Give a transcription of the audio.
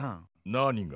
何が。